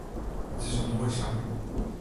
It is in moaie samling.